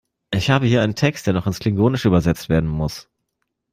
Ich habe hier einen Text, der nur noch ins Klingonische übersetzt werden muss.